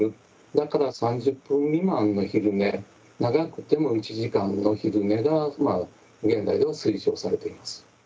だから３０分未満の昼寝長くても１時間の昼寝が現在では推奨されています。